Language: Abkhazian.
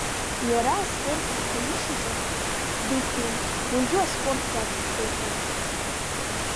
Иара, аспорт еиқәа ишьаҵа, дықәиан, уажәы аспорт кьаҿ ишәылҵон.